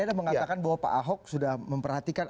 ada yang mengatakan bahwa pak ahok sudah memperhatikan